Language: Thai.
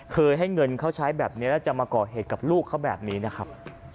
ให้เงินเขาใช้แบบนี้แล้วจะมาก่อเหตุกับลูกเขาแบบนี้นะครับ